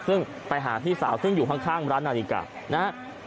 ซึ่งไปหาพี่สาวซึ่งอยู่ข้างร้านนาฬิกานะครับ